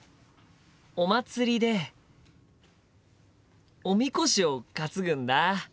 お祭りでおみこしを担ぐんだ。